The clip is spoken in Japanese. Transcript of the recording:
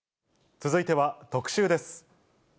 続いては特集です。